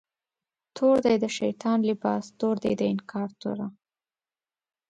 تور دی د شیطان لباس، تور دی د انکار توره